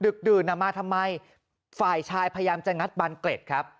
ดื่นมาทำไมฝ่ายชายพยายามจะงัดบานเกร็ดครับ